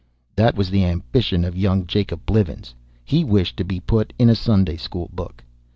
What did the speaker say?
That was the ambition of young Jacob Blivens. He wished to be put in a Sunday school book.